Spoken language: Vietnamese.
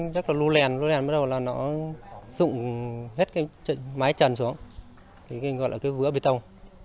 lúc đầu là nó dụng hết mái trần xuống gọi là cái vứa bê tông